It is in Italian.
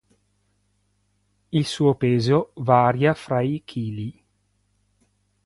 Il suo peso varia fra i kg.